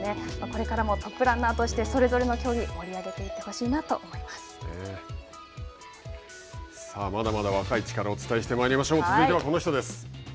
これからもトップランナーとしてそれぞれの競技盛り上げていってほしいなとまだまだ若い力をお伝えしてまいりましょう続いてはこの人です。